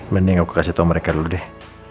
mending aku kasih tau mereka dulu deh